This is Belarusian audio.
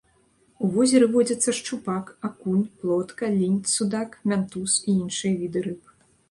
У возеры водзяцца шчупак, акунь, плотка, лінь, судак, мянтуз і іншыя віды рыб.